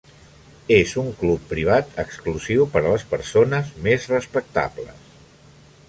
És un club privat exclusiu per a les persones més respectables.